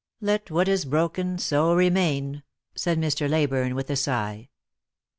' Let what is broken so remain!'" said Mr. Leyburne with a sigh.